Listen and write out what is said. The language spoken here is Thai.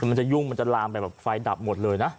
มันจะยุ่งมันจะลามไปแบบไฟดับหมดเลยนะ